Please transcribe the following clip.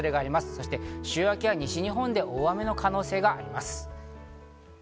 そして週明けは西日本で大雨の可能性があります。